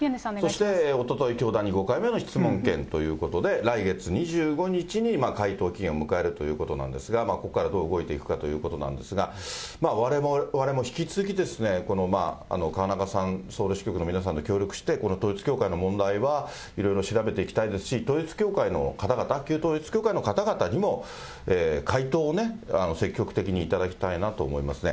そしておととい、教団に５回目の質問権ということで、来月２５日に回答期限を迎えるということなんですが、ここからどう動いていくかということなんですが、われわれも引き続き、河中さん、ソウル支局の皆さんで協力して、この統一教会の問題は、いろいろ調べていきたいですし、統一教会の方々、旧統一教会の方々にも、回答を積極的に頂きたいなと思いますね。